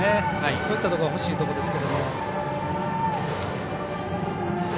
そういったところが欲しいところですが。